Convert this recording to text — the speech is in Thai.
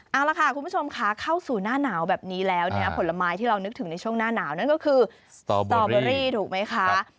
เอาละค่ะคุณผู้ชมค่ะเข้าสู่หน้าหนาวแบบนี้แล้วเนี่ยผลไม้ที่เรานึกถึงในช่วงหน้าหนาวนั่นก็คือสตอเบอรี่ถูกไหมคะ